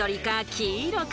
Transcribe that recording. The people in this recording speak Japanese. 黄色か？